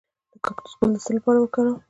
د کاکتوس ګل د څه لپاره وکاروم؟